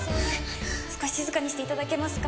少し静かにして頂けますか？